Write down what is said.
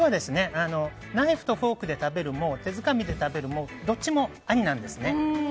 ナイフとフォークで食べるも手づかみで食べるもどっちもありなんですね。